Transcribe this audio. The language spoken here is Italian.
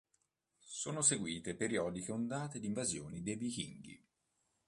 Sono seguite periodiche ondate di invasioni dei Vichinghi.